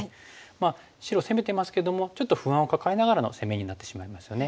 まあ白を攻めてますけどもちょっと不安を抱えながらの攻めになってしまいますよね。